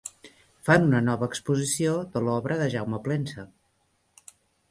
Fan una nova exposició de l'obra de Jaume Plensa.